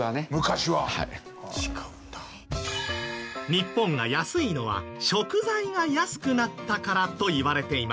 日本が安いのは食材が安くなったからといわれています。